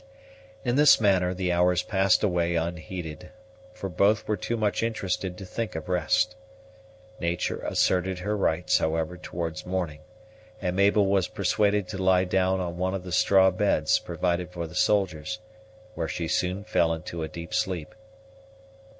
In this manner the hours passed away unheeded, for both were too much interested to think of rest. Nature asserted her rights, however, towards morning; and Mabel was persuaded to lie down on one of the straw beds provided for the soldiers, where she soon fell into a deep sleep.